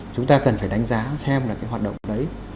chúng ta cần phải đánh giá xem là cái hoạt động đấy